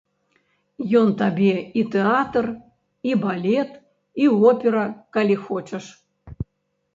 Ён табе і тэатр, і балет, і опера, калі хочаш.